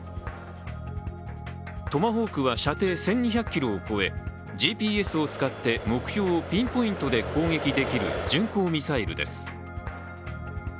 トマホークは射程１２００ｋｍを超え、ＧＰＳを使って目標をピンポイントで攻撃できる巡航ミサイルです。